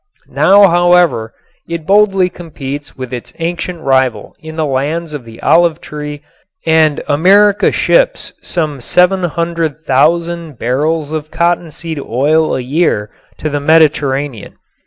Now, however, it boldly competes with its ancient rival in the lands of the olive tree and America ships some 700,000 barrels of cottonseed oil a year to the Mediterranean.